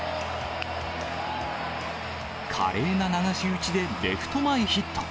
華麗な流し打ちでレフト前ヒット。